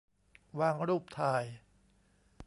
วางรูปถ่าย